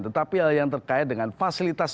tetapi hal yang terkait dengan fasilitas